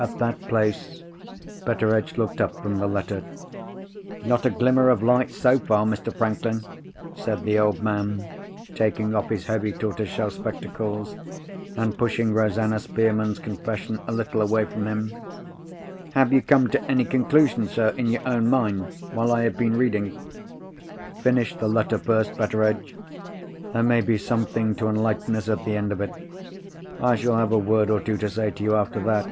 At that place, Betteredge looked up from the letter. "Not a glimmer of light so far, Mr. Franklin," said the old man, taking off his heavy tortoiseshell spectacles, and pushing Rosanna Spearman's confession a little away from him. "Have you come to any conclusion, sir, in your own mind, while I have been reading?" "Finish the letter first, Betteredge; there may be something to enlighten us at the end of it. I shall have a word or two to say to you after that."